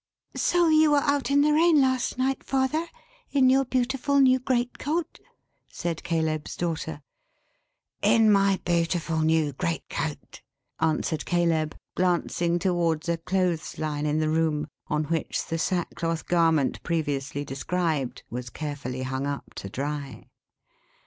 "So you were out in the rain last night, father, in your beautiful, new, great coat," said Caleb's daughter. "In my beautiful new great coat," answered Caleb, glancing towards a clothes line in the room, on which the sackcloth garment previously described, was carefully hung up to dry.